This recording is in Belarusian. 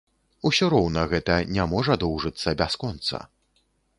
Усё роўна гэта не можа доўжыцца бясконца.